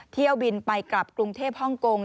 เที่ยวบินไปกลับกรุงเทพฮ่องกง